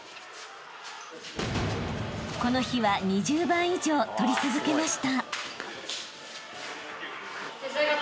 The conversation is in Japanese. ［この日は２０番以上取り続けました］